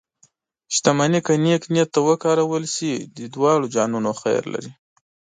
شتمني که نیک نیت ته وکارول شي، د دواړو جهانونو خیر لري.